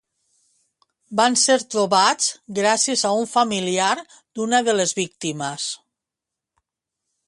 Van ser trobats gràcies a un familiar d'una de les víctimes.